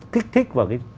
thích thích vào cái